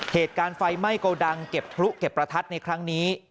เหตุการณ์ไฟไหม้โกดังเก็บพลุเก็บประทัดในครั้งนี้